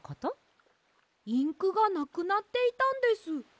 インクがなくなっていたんです。